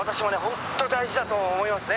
ホントに大事だと思いますね。